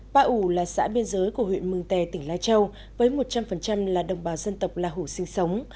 pa ủ là xã biên giới của huyện mường tè tỉnh lai châu với một trăm linh là đồng bào dân tộc la hủ sinh sống